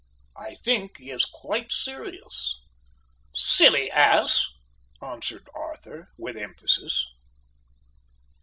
I think he is quite serious." "Silly ass!" answered Arthur with emphasis.